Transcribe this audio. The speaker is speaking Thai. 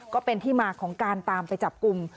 ก็เป็นที่มาของการตามไปจับกลุ่ม